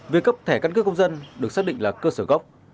việc cấp thẻ căn cước công dân được xác định là cơ sở gốc